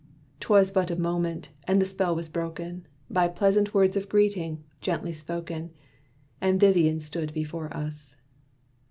'T was but a moment, and the spell was broken By pleasant words of greeting, gently spoken, And Vivian stood before us.